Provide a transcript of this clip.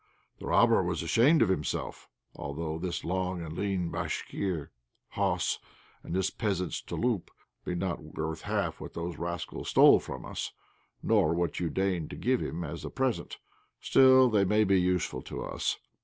The robber was ashamed of himself, although this long and lean Bashkir hoss and this peasant's 'touloup' be not worth half what those rascals stole from us, nor what you deigned to give him as a present, still they may be useful to us.